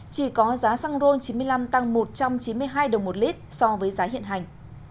chỉ có giá xăng ron chín mươi năm tăng một trăm chín mươi hai đồng một lít so với giá hiện hành